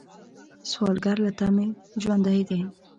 سوالګر له تمې ژوندی دی